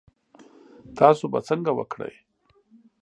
تاسو به څنګه وکړی؟